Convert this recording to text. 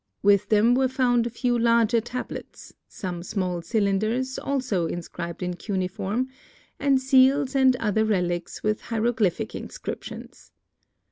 With them were found a few larger tablets, some small cylinders also inscribed in cuneiform, and seals and other relics with hieroglyphic inscriptions.